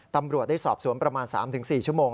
ตำรวจได้สอบสวนประมาณ๓๔ชั่วโมง